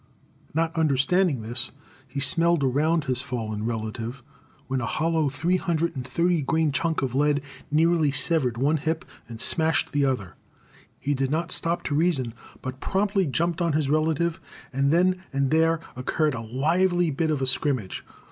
Not understanding this, he smelled around his fallen relative, when a hollow three hundred and thirty grain chunk of lead nearly severed one hip and smashed the other. He did not stop to reason, but promptly jumped on his relative, and then and there occurred a lively bit of a scrimmage.